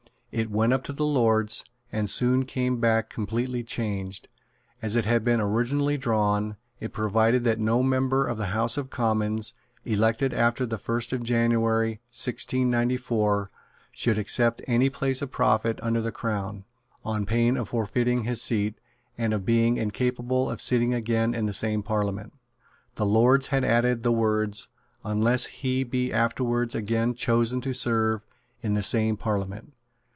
It went up to the Lords, and soon came back completely changed. As it had been originally drawn, it provided that no member of the House of Commons, elected after the first of January, 1694, should accept any place of profit under the Crown, on pain of forfeiting his seat, and of being incapable of sitting again in the same Parliament. The Lords had added the words, "unless he be afterwards again chosen to serve in the same Parliament."